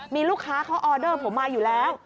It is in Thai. มีลูกค้าเขาออเดอร์ผมมาอยู่แล้ว